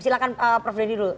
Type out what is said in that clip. silahkan prof denny dulu